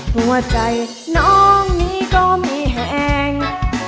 หัวใจน้องนี้ก็ไม่แห้ง